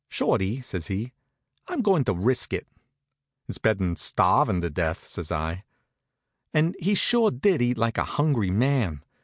"Shorty," says he, "I'm going to risk it." "It's better'n starving to death," says I. And he sure did eat like a hungry man.